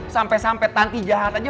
sampai sampai tanti jahat aja